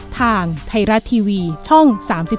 ทางไทยรัฐทีวีช่อง๓๒